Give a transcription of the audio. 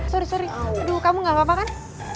sorry sorry aduh kamu gak apa apa kan